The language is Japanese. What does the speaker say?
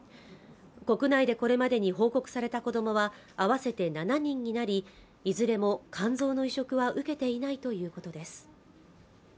国内でこれまでに報告された子どもは合わせて７人になりいずれも肝臓の移植は受けていないということです